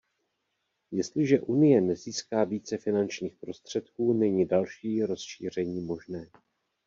Jestliže Unie nezíská více finančních prostředků, není další rozšíření možné.